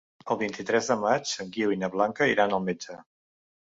El vint-i-tres de maig en Guiu i na Blanca iran al metge.